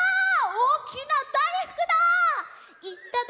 おおきなだいふくだ！